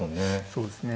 そうですね。